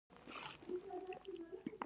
کاش چې د وصال د شپې سبا نه وای.